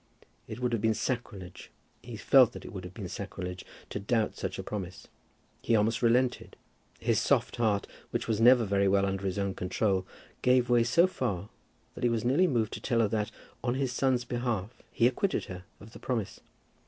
It would have been sacrilege, he felt that it would have been sacrilege, to doubt such a promise. He almost relented. His soft heart, which was never very well under his own control, gave way so far that he was nearly moved to tell her that, on his son's behalf, he acquitted her of the promise.